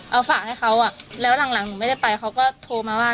เอาฝากให้เขาอ่ะแล้วหลังหนูไม่ได้ไปเขาก็โทรมาว่า